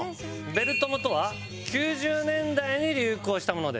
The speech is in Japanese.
ベル友とは９０年代に流行したものです。